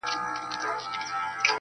چي آواز به یې خپل قام لره ناورین وو -